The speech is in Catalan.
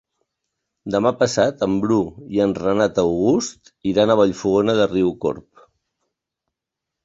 Demà passat en Bru i en Renat August iran a Vallfogona de Riucorb.